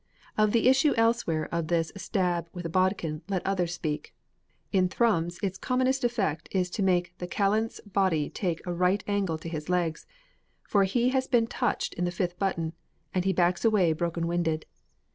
Of the issue elsewhere of this stab with a bodkin let others speak; in Thrums its commonest effect is to make the callant's body take a right angle to his legs, for he has been touched in the fifth button, and he backs away broken winded.